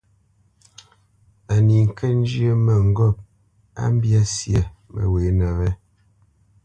Á ní ŋkə́ njyə́ mə́ŋgôp á mbyá syâ məghwěnə wé.